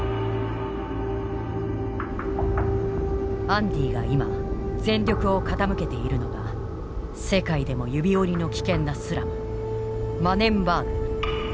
アンディが今全力を傾けているのが世界でも指折りの危険なスラムマネンバーグ。